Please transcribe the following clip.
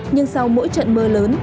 nhưng sau mỗi trận mưa lớn